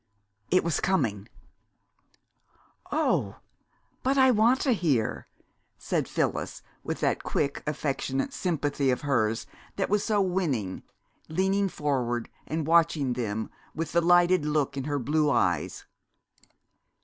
It was coming! "Oh, but I want to hear!" said Phyllis, with that quick, affectionate sympathy of hers that was so winning, leaning forward and watching them with the lighted look in her blue eyes.